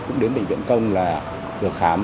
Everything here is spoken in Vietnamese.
cũng đến bệnh viện công là được khám